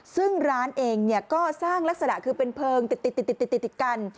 ซึ่งร้านเองก็สร้างลักษณะคือเป็นเพลิงติดกัน